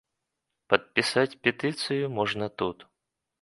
Падпісаць петыцыю можна тут.